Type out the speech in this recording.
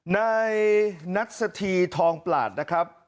ในนัดสถีทองประหลาด